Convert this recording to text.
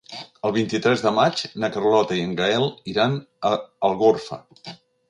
El vint-i-tres de maig na Carlota i en Gaël iran a Algorfa.